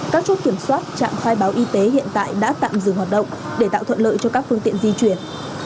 các chốt kiểm soát trạm khai báo y tế hiện tại đã tạm dừng hoạt động để tạo thuận lợi cho các phương tiện di chuyển